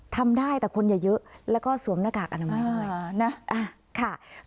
ทำได้แต่คนอย่าเยอะแล้วก็สวมหน้ากากอนามัยด้วยนะ